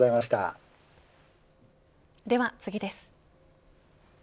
では次です。